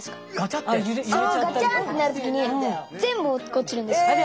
そのガチャンってなる時に全部落っこちるんですよ。